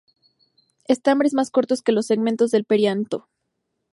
Estambres más cortos que los segmentos del perianto.